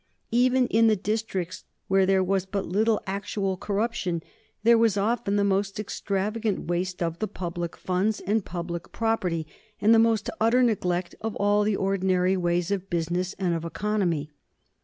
Even in the districts where there was but little actual corruption there was often the most extravagant waste of the public funds and public property, and the most utter neglect of all the ordinary ways of business and of economy.